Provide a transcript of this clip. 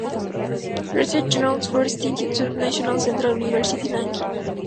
Research Notes, Forestry Institute; National Central University, Nanking.